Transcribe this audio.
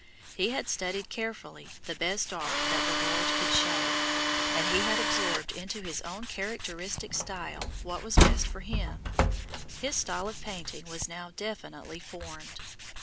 He had studied carefully the best art that the world could show, and he had absorbed into his own characteristic style what was best for him his style of painting was now definitely formed.